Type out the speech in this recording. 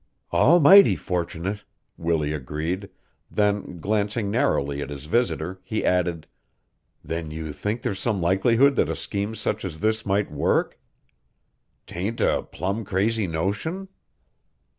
"Almighty fortunate," Willie agreed; then, glancing narrowly at his visitor, he added: "Then you think there's some likelihood that a scheme such as this might work. 'Tain't a plumb crazy notion?"